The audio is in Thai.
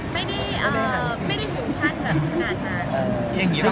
ไม่ได้ถูกครั้งงานนั้น